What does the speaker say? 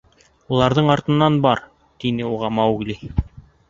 — Уларҙың артынан бар, — тине уға Маугли.